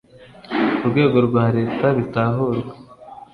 urwego rwa Leta bitahurwe